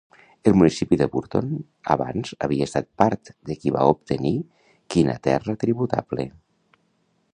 El municipi de Burton abans havia estat part de qui va obtenir quina terra tributable.